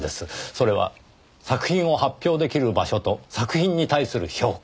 それは作品を発表出来る場所と作品に対する評価。